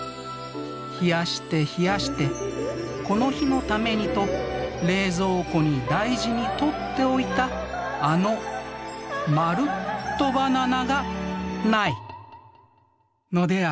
冷やして冷やしてこの日のためにと冷蔵庫に大事にとっておいたあのまるっとバナナがないのである。